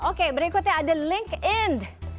oke berikutnya ada linkedin